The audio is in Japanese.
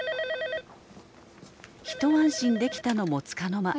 ☎一安心できたのもつかの間。